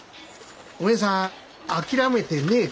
おめえさん諦めてねえ